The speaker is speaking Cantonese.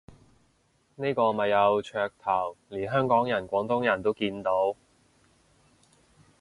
呢個咪有噱頭，連香港人廣東人都見到